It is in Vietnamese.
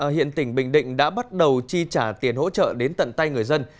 hiện tỉnh bình định đã bắt đầu chi trả tiền hỗ trợ đến tận tay người dân